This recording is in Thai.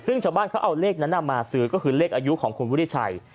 ซึ่งชาวบ้านเขาเอาเลขนั้นมาซื้อก็คือเลขอายุของคุณวุฒิชัย